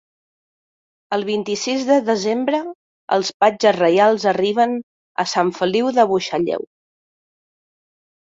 El vint-i-sis de desembre els patges reials arriben a Sant Feliu de Buixalleu.